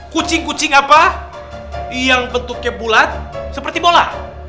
kucing kucing apa yang bentuknya bulat seperti bola